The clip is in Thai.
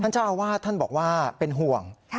เจ้าอาวาสท่านบอกว่าเป็นห่วง